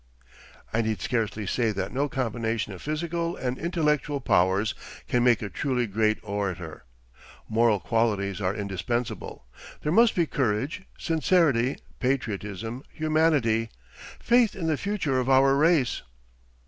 I need scarcely say that no combination of physical and intellectual powers can make a truly great orator. Moral qualities are indispensable. There must be courage, sincerity, patriotism, humanity, faith in the future of our race.